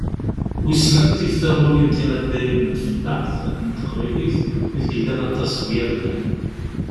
Wissen anti taɣulin tinaddayin n tfellaḥt n teqbaylit ideg llan aṭas n yirman?